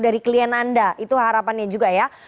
dari klien anda itu harapannya juga ya